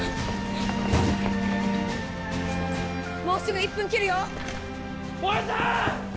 もうすぐ１分切るよ！